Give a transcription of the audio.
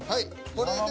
これで。